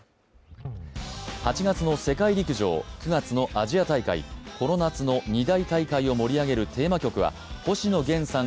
８月の世界陸上、９月のアジア大会、この夏の２大大会を盛り上げるテーマ曲は星野源さん